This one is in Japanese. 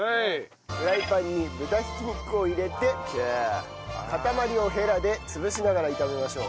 フライパンに豚ひき肉を入れて塊をヘラで潰しながら炒めましょう。